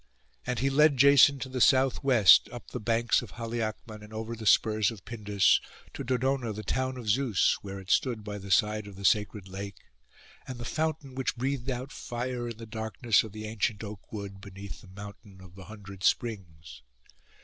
And he led Jason to the south west, up the banks of Haliacmon and over the spurs of Pindus, to Dodona the town of Zeus, where it stood by the side of the sacred lake, and the fountain which breathed out fire, in the darkness of the ancient oakwood, beneath the mountain of the hundred springs.